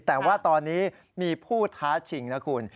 แต่ว่าตอนนี้มีผู้ท้าชิงนะคุณ